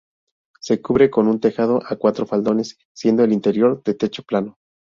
Se cubre con un tejado a cuatro faldones, siendo el interior de techo plano.